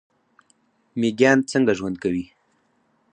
میږیان څنګه ژوند کوي؟